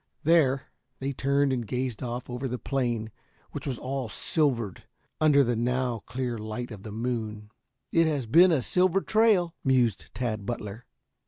There, they turned and gazed off over the plain which was all silvered under the now clear light of the moon. "It has been a silver trail," mused Tad Butler.